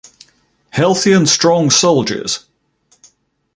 Healthy and strong soldiers!